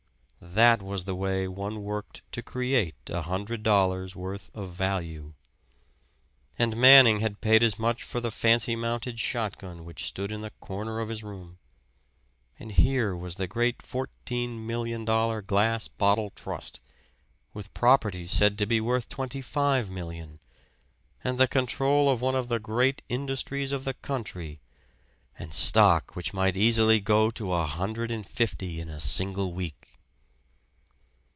That was the way one worked to create a hundred dollars' worth of Value; and Manning had paid as much for the fancy mounted shotgun which stood in the corner of his room! And here was the great fourteen million dollar Glass Bottle Trust, with properties said to be worth twenty five million, and the control of one of the great industries of the country and stock which might easily go to a hundred and fifty in a single week!